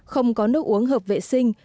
không có nước uống hợp vệ sinh